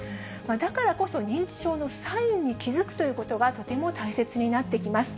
だからこそ、認知症のサインに気付くということが、とても大切になってきます。